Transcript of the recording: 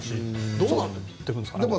どうなっていくんですかね。